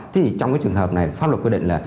thế thì trong cái trường hợp này pháp luật quy định là